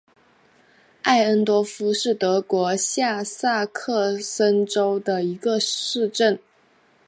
艾恩多夫是德国下萨克森州的一个市镇。